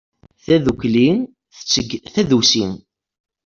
Tadukli tetteg tadusi.